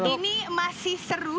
ini masih seru